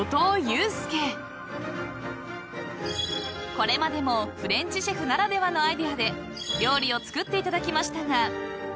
［これまでもフレンチシェフならではのアイデアで料理を作っていただきましたが］